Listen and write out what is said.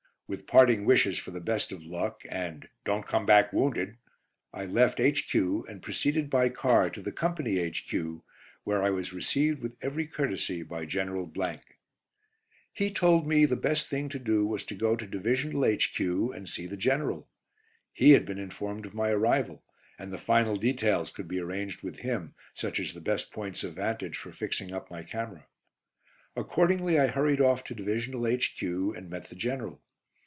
With parting wishes for the best of luck, and "don't come back wounded," I left H.Q., and proceeded by car to the Company H.Q., where I was received with every courtesy by General . He told me the best thing to do was to go to Divisional H.Q. and see the General. He had been informed of my arrival, and the final details could be arranged with him, such as the best points of vantage for fixing up my camera. Accordingly I hurried off to Divisional H.Q. and met the General.